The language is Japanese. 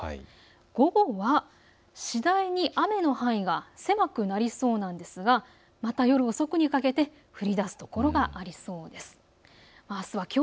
午後は次第に雨の範囲が狭くなりますがまた夜遅くにかけて降りだす所があるでしょう。